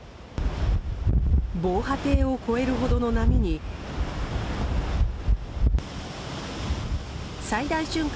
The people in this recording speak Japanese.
防波堤を越えるほどの波に最大瞬間